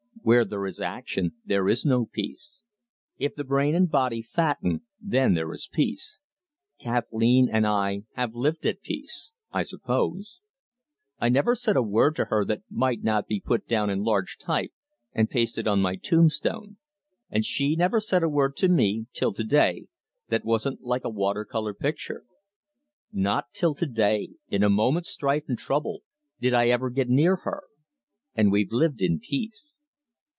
"Where there is action there is no peace. If the brain and body fatten, then there is peace. Kathleen and I have lived at peace, I suppose. I never said a word to her that mightn't be put down in large type and pasted on my tombstone, and she never said a word to me till to day that wasn't like a water colour picture. Not till to day, in a moment's strife and trouble, did I ever get near her. And we've lived in peace.